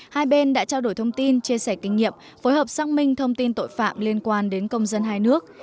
hai bên đã trao đổi thông tin chia sẻ kinh nghiệm phối hợp xác minh thông tin tội phạm liên quan đến công dân hai nước